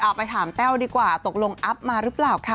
ไปถามแต้วดีกว่าตกลงอัพมาหรือเปล่าค่ะ